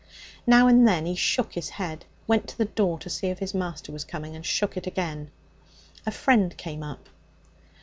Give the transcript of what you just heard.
Now and then he shook his head, went to the door to see if his master was coming, and shook it again. A friend came up.